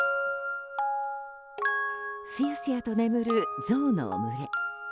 すやすやと眠るゾウの群れ。